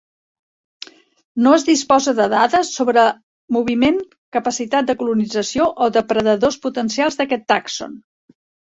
No es disposa de dades sobre moviment, capacitat de colonització o depredadors potencials d'aquest tàxon.